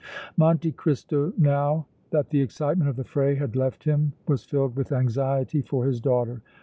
Monte Cristo now that the excitement of the fray had left him was filled with anxiety for his daughter.